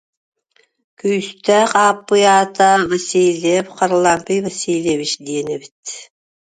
Күүстээх Ааппый аата Васильев Харлампий Васильевич диэн эбит